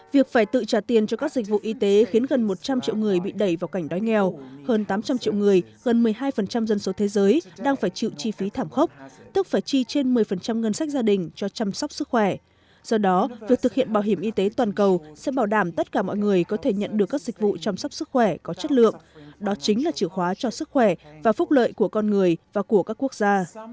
việc phải tự trả tiền cho các dịch vụ y tế khiến gần một trăm linh triệu người bị đẩy vào cảnh đói nghèo hơn tám trăm linh triệu người gần một mươi hai dân số thế giới đang phải chịu chi phí thảm khốc tức phải chi trên một mươi ngân sách gia đình cho chăm sóc sức khỏe do đó việc thực hiện bảo hiểm y tế toàn cầu sẽ bảo đảm tất cả mọi người có thể nhận được các dịch vụ chăm sóc sức khỏe có chất lượng đó chính là chữ khóa cho sức khỏe và phúc lợi của con người và của các quốc gia